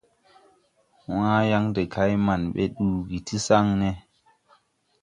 Wããyaŋ de kay man ɓɛ ɗugi ti saŋne.